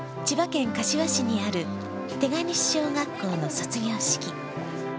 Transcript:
千葉県柏市にある手賀西小学校の卒業式。